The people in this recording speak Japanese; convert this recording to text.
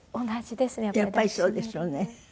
やっぱりそうでしょうね。